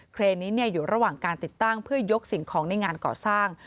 เครนนี้อยู่ระหว่างการติดตั้งเพื่อยกสิ่งของในงานก่อสร้าง